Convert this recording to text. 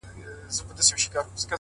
د يويشتمي پېړۍ شپه ده او څه ستا ياد دی،